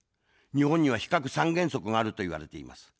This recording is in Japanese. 日本には非核三原則があると言われています。